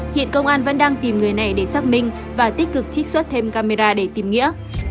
hiện công an vẫn đang tìm người này để xác minh và tích cực trích xuất thêm camera để tìm nghĩa